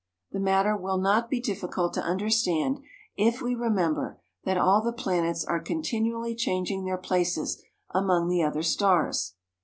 The matter will not be difficult to understand if we remember that all the planets are continually changing their places among the other stars.